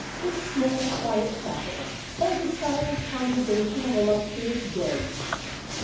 This small, quiet chapel holds a silent congregation of illustrious dead.